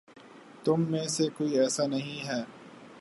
تم میں سے کوئی ایسا نہیں ہے